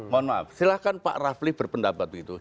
mohon maaf silahkan pak rafli berpendapat begitu